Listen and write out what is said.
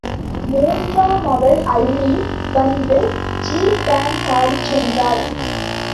மூன்றாமவள் அல்லி, வந்து gypsy dance ஆடிச் சென்றாள்.